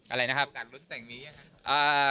อะไรนะครับอาทิตย์การลุ้นแต่งมีมียังไง